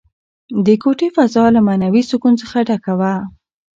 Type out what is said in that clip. د کوټې فضا له معنوي سکون څخه ډکه وه.